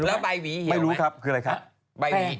ไม่เรียกว่าใบหวีเหี่ยวไม่รู้ครับคืออะไรครับ